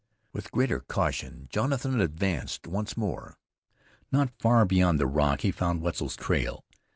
With greater caution Jonathan advanced once more. Not far beyond the rock he found Wetzel's trail.